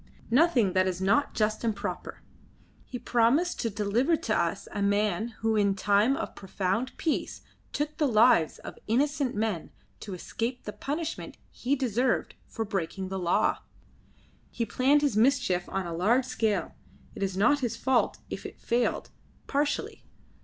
"Nothing that is not just and proper. He promised to deliver to us a man who in time of profound peace took the lives of innocent men to escape the punishment he deserved for breaking the law. He planned his mischief on a large scale. It is not his fault if it failed, partially.